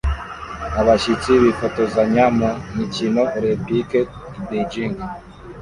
Abashyitsi bifotozanya mu mikino Olempike i Beijing